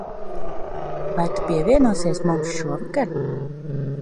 Vai tu pievienosies mums šovakar?